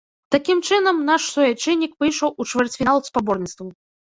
Такім чынам, наш суайчыннік выйшаў у чвэрцьфінал спаборніцтваў.